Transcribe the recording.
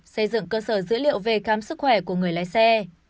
xây dựng cơ sở dữ liệu về khám sức khỏe của người lái xe